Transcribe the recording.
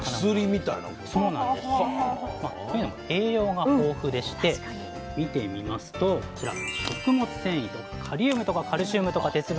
というのも栄養が豊富でして見てみますとこちら食物繊維とかカリウムとかカルシウムとか鉄分。